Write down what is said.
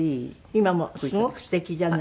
今もすごくすてきじゃない。